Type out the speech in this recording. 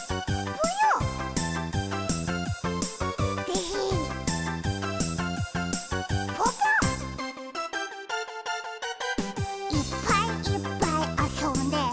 ぽぽ「いっぱいいっぱいあそんで」